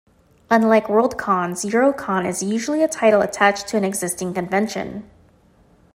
Unlike Worldcons, Eurocon is usually a title attached to an existing convention.